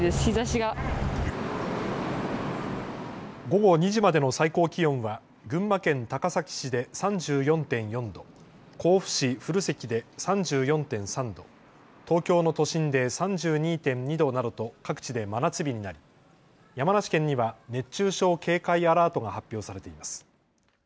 午後２時までの最高気温は群馬県高崎市で３４．４度、甲府市古関で３４．３度、東京の都心で３２．２度などと各地で真夏日になり、山梨県には熱中症警戒アラートが発表されています。